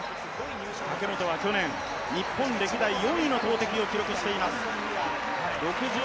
武本は去年日本歴代４位の投てきを記録しています。